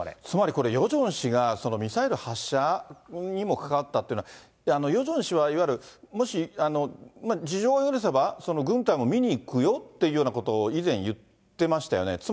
つまりこれ、ヨジョン氏がそのミサイル発射にも関わったっていうのは、ヨジョン氏は、いわゆる、もし事情が許せば、軍隊も見に行くよっていうようなことを以前、言ってましたよね。